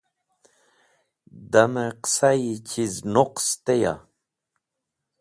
Damẽ qẽsayi chiz nuqs teya?